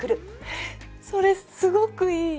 えっそれすごくいい。